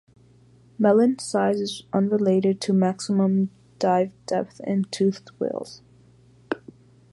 Melon size is unrelated to maximum dive depth in toothed whales.